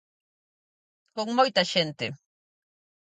Con moita xente.